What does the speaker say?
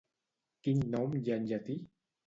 Quin nom hi ha en llatí?